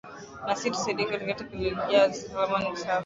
na sisi watusaidie katika technologia ambazo zitakuwa ni salama na ni safi